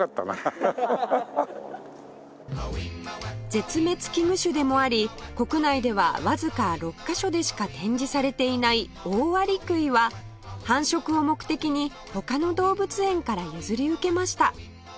絶滅危惧種でもあり国内ではわずか６カ所でしか展示されていないオオアリクイは繁殖を目的に他の動物園から譲り受けました